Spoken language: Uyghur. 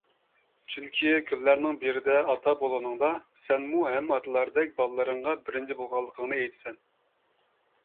چۈنكى، كۈنلەرنىڭ بىرىدە ئاتا بولغىنىڭدا، سەنمۇ ھەممە ئاتىلاردەك بالىلىرىڭغا بىرىنچى بولغانلىقىڭنى ئېيتىسەن.